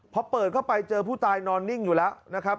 พอเปิดเข้าไปเจอผู้ตายนอนนิ่งอยู่แล้วนะครับ